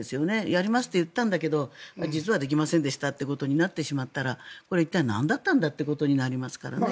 やりますといったんだけど実はできませんでしたってことになってしまったらこれ、一体なんだったんだってことになりますからね。